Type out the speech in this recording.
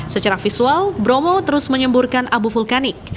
secara visual bromo terus menyemburkan abu vulkanik